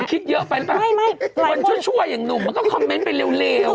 คิดเยอะไปหรือเปล่าคนชั่วอย่างหนุ่มมันก็คอมเมนต์ไปเร็ว